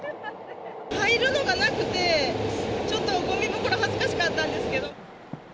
入るのがなくて、ちょっとごみ袋、恥ずかしかったんですけど。